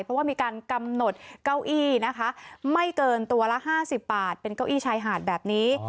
เพราะว่ามีการกำหนดเก้าอี้นะคะไม่เกินตัวละ๕๐บาทเป็นเก้าอี้ชายหาดแบบนี้